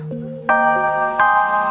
sampai jumpa lagi